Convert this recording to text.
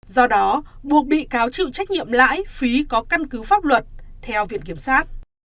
do đó buộc bị cáo chịu trách nhiệm lãi phí có căn cứ pháp luật theo viện kiểm sát